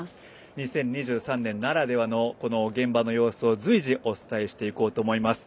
２０２３年ならではの現場の様子を随時お伝えしていこうと思います。